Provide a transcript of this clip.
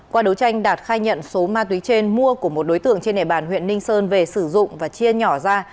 qua đấu tranh đạt khai nhận số ma túy trên mua của một đối tượng trên đề bàn huyện ninh sơn về sử dụng và chia nhỏ ra